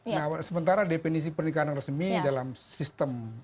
nah sementara definisi pernikahan yang resmi dalam sistem